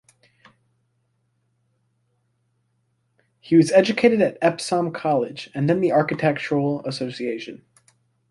He was educated at Epsom College and then the Architectural Association.